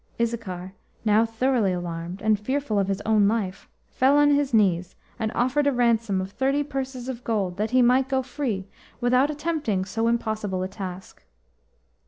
Issachar, now thoroughly alarmed, and fearful of his own life, fell on his knees, and offered a ransom of thirty purses of gold that he might go free without attempting so impossible a task.